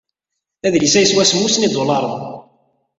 Adlis-a yeswa semmus n yidulaṛen.